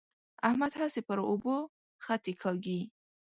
احمد هسې پر اوبو خطې کاږي.